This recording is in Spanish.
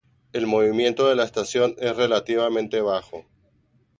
El movimiento de la estación es relativamente bajo.